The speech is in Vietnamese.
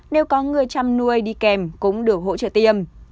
nếu có người chăn nuôi đi kèm cũng được hỗ trợ tiêm